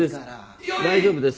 大丈夫です。